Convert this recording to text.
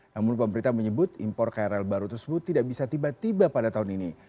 namun pemerintah menyebut impor krl baru tersebut tidak bisa tiba tiba pada tahun ini